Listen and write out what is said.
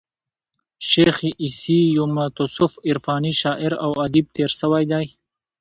شېخ عیسي یو متصوف عرفاني شاعر او ادیب تیر سوى دئ.